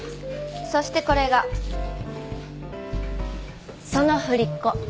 そしてこれがその振り子。